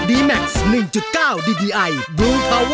กว่าจะจบรายการเนี่ย๔ทุ่มมาก